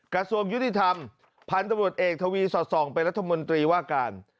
กระทรวงยุติธรรมพันธุ์ตำรวจเอกทวีสอดส่องเป็นรัฐมนตรีว่าการ